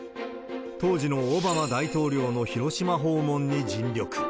当時のオバマ大統領の広島訪問に尽力。